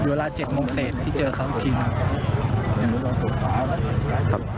เพราะว่ามีเวลา๗โมงเศสที่เจอเขาอีกทีเข้า